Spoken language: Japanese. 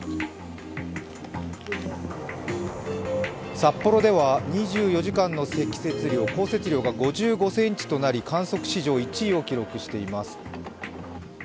札幌では２４時間の降雪量が５５ｃｍとなり、観測史上１位を記録しています。